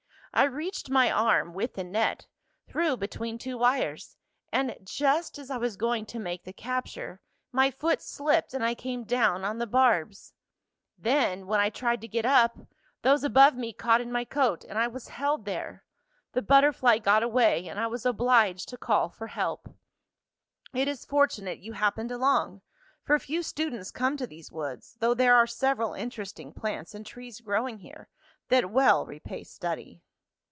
I reached my arm, with the net, through between two wires, and, just as I was going to make the capture, my foot slipped and I came down on the barbs. Then, when I tried to get up, those above me caught in my coat and I was held there. The butterfly got away, and I was obliged to call for help. It is fortunate you happened along, for few students come to these woods, though there are several interesting plants and trees growing here, that well repay study."